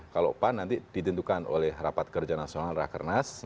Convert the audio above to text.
kalau pan nanti ditentukan oleh rapat kerja nasional rakernas